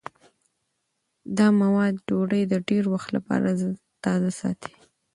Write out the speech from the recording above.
دا مواد ډوډۍ د ډېر وخت لپاره تازه ساتي.